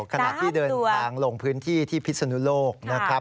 กำลังที่เดินทางโล่งพื้นที่ที่พิศนโลกนะครับ